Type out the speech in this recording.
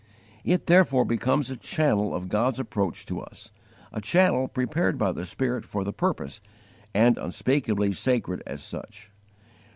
It therefore becomes a channel of God's approach to us, a channel prepared by the Spirit for the purpose, and unspeakably sacred as such.